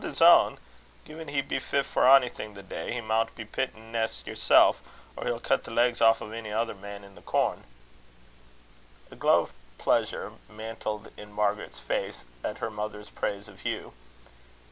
"Haud his ain! Gin he be fit for onything the day, he maun be pitten neist yersel', or he'll cut the legs aff o' ony ither man i' the corn." A glow of pleasure mantled in Margaret's face at her mother's praise of Hugh.